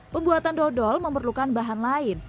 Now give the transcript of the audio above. pembuatan dodol memerlukan bahan lain